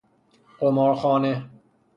قمار خانه